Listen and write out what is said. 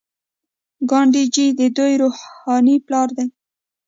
ګاندي جی د دوی روحاني پلار دی.